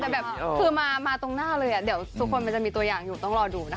แต่แบบคือมาตรงหน้าเลยเดี๋ยวทุกคนมันจะมีตัวอย่างอยู่ต้องรอดูนะคะ